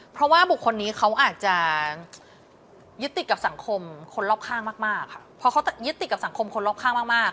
เพราะว่าบุคคลนี้เขาอาจจะยึดติดกับสังคมคนรอบข้างมากค่ะเพราะเขายึดติดกับสังคมคนรอบข้างมากมาก